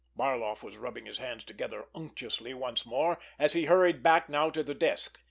Barloff was rubbing his hands together unctuously once more, as he hurried back now to the desk.